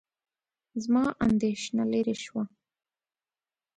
زما اندېښنه لیرې شوه.